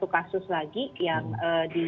satu kasus lagi yang di